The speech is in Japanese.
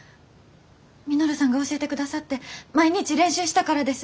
稔さんが教えてくださって毎日練習したからです。